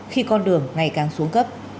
khi có thể tham gia giao thông